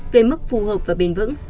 về mức phù hợp và bền vững